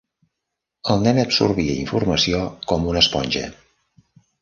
El nen absorbia informació com una esponja.